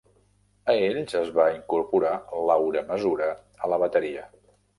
A ells es va incorporar Laura Masura a la bateria.